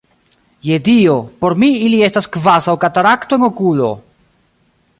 Je Dio, por mi ili estas kvazaŭ katarakto en okulo!